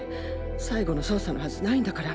最後の捜査のはずないんだから。